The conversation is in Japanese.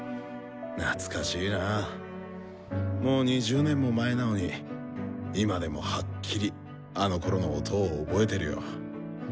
懐かしいなぁもう２０年も前なのに今でもはっきりあのころの音を覚えてるよ。